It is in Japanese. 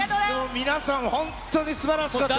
皆さん、本当にすばらしかったです。